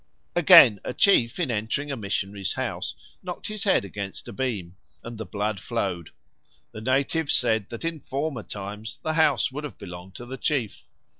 Again, a chief in entering a missionary's house knocked his head against a beam, and the blood flowed. The natives said that in former times the house would have belonged to the chief.